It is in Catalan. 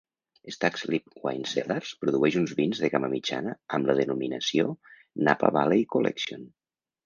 Stag's Leap Wine Cellars produeix uns vins de gamma mitjana amb la denominació "Napa Valley Collection".